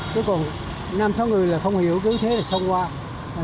chứ còn năm sáu người là không hiểu cứ thế là xong qua